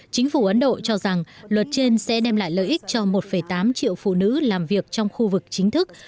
chính phủ ấn độ cho rằng luật trên sẽ đem lại lợi ích cho một tám triệu phụ nữ làm việc trong khu vực chính thức